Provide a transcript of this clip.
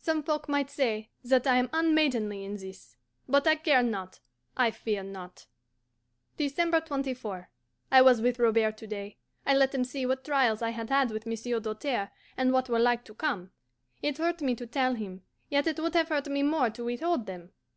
Some folk might say that I am unmaidenly in this. But I care not, I fear not. December 24. I was with Robert to day. I let him see what trials I had had with Monsieur Doltaire, and what were like to come. It hurt me to tell him, yet it would have hurt me more to withhold them.